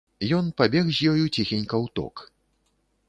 Ён пабег з ёю ціхенька ў ток.